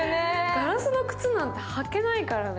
ガラスの靴なんて履けないからね。